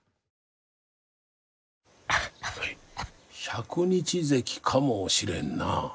百日ぜきかもしれんな。